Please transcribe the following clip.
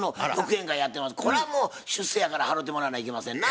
これはもう出世やから払うてもらわないけませんな。